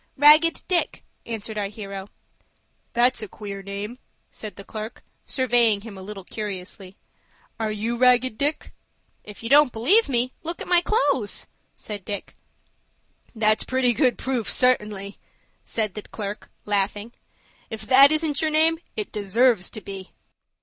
"Ragged Dick," answered our hero. "That's a queer name," said the clerk, surveying him a little curiously. "Are you Ragged Dick?" "If you don't believe me, look at my clo'es," said Dick. "That's pretty good proof, certainly," said the clerk, laughing. "If that isn't your name, it deserves to be."